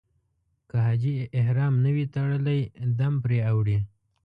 که حاجي احرام نه وي تړلی دم پرې اوړي.